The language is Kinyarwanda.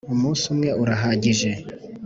Umunsi umwe urahagije.